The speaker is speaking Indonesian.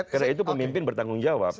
karena itu pemimpin bertanggung jawab